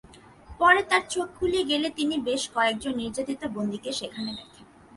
পরে তাঁর চোখ খুলে গেলে তিনি বেশ কয়েকজন নির্যাতিত বন্দীকে সেখানে দেখেন।